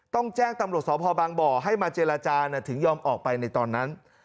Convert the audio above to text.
ต้องแจ้งตำรวจสพบางบ่อให้มาเจรจาถึงยอมออกไปในตอนนั้น